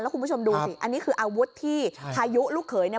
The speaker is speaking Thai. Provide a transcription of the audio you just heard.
คุณผู้ชมดูสิอันนี้คืออาวุธที่พายุลูกเขยเนี่ย